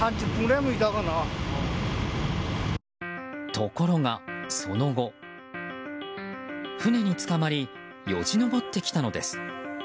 ところが、その後船につかまりよじ登ってきたのです。